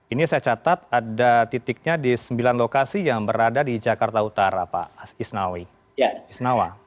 ini saya catat ada titiknya di sembilan lokasi yang berada di jakarta utara pak isnawa